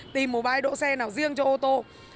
tìm mobile đỗ xe nào riêng cho ô tô